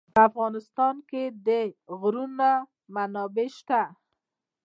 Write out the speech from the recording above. په افغانستان کې د غرونه منابع شته.